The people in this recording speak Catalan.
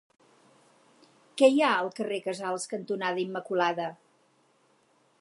Què hi ha al carrer Casals cantonada Immaculada?